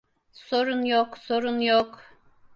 Sorun yok, sorun yok.